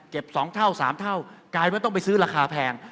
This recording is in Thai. เก็บสองเท่าสามเท่ากลายเป็นต้องไปซื้อราคาแพง